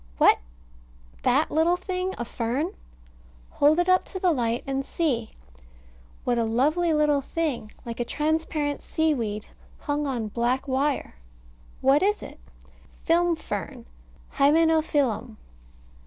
What! that little thing a fern! Hold it up to the light, and see. What a lovely little thing, like a transparent sea weed, hung on black wire. What is it? Film fern, Hymenophyllum.